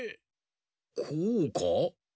こうか？